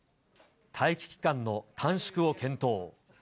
待機期間の短縮を検討。